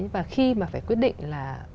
và khi mà phải quyết định là